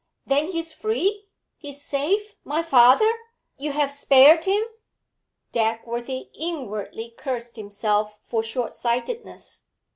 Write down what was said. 'Then he is free? He is safe my father? You have spared him?' Dagworthy inwardly cursed himself for shortsightedness.